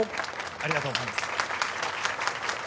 ありがとうございます。